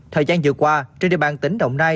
thời gian vừa qua trên địa bàn tỉnh đồng nai